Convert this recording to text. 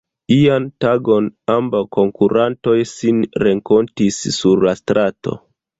Ian tagon ambaŭ konkurantoj sin renkontis sur la strato.